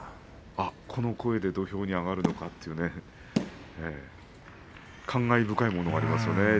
この声で土俵に上がるのかという感慨深いものがありますよね